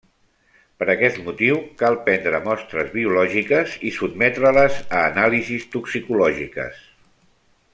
Per aquest motiu, cal prendre mostres biològiques i sotmetre-les a anàlisis toxicològiques.